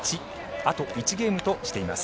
あと１ゲームとしています。